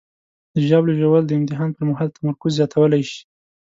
د ژاولې ژوول د امتحان پر مهال تمرکز زیاتولی شي.